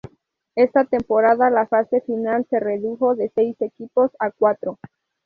Esta temporada la fase final se redujo de seis equipos a cuatro.